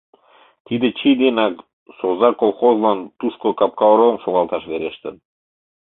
Тиде чий денак Соза колхозлан тушко капка оролым шогалташ верештын.